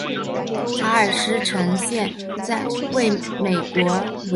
查尔斯城县位美国维吉尼亚州东部的一个县。